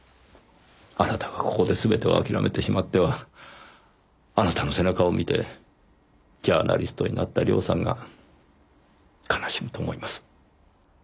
あなたがここで全てを諦めてしまってはあなたの背中を見てジャーナリストになった涼さんが悲しむと思います。